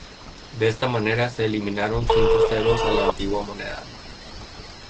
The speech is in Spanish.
De esta manera, se eliminaron cinco ceros a la antigua moneda.